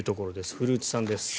古内さんです。